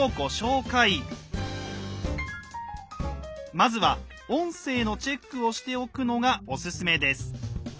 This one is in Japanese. まずは「音声のチェック」をしておくのがおすすめです。